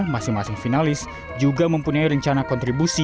masing masing finalis juga mempunyai rencana kontribusi